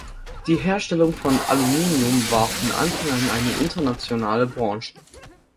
Die Herstellung von Aluminium war eine von Anfang an internationale Branche.